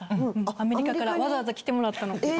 アメリカからわざわざ来てもらったの。